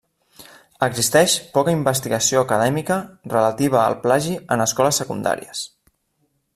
Existeix poca investigació acadèmica relativa al plagi en escoles secundàries.